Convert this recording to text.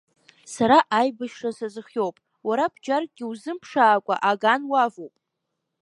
Сара аибашьра сазыхиоуп, уара бџьаркгьы узымԥшаакәа аган уавоуп…